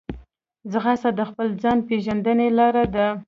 ځغاسته د خپل ځان پېژندنې لار ده